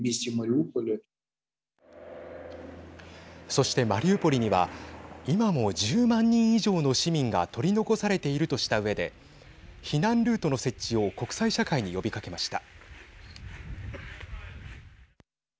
そして、マリウポリには今も１０万人以上の市民が取り残されているとしたうえで避難ルートの設置を国際社会に呼びかけました。